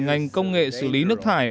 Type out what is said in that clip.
ngành công nghệ xử lý nước thải